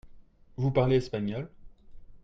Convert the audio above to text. Vous parlez espagnol ?